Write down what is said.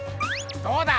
どうだ！